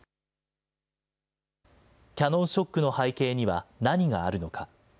キヤノンショックの背景には、何があるのか。